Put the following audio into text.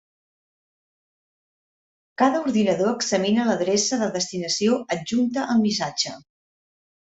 Cada ordinador examina l'adreça de destinació adjunta al missatge.